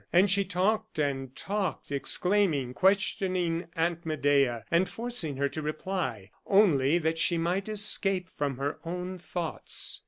And she talked and talked, exclaiming, questioning Aunt Medea, and forcing her to reply, only that she might escape from her own thoughts.